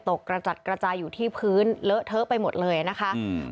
กระจัดกระจายอยู่ที่พื้นเลอะเทอะไปหมดเลยนะคะอืม